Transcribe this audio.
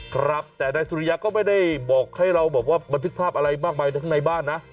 ครับแต่นายสุริยาก็ไม่ได้บอกให้เราหมันทึกภาพอะไรบ้างภายในบ้านนะ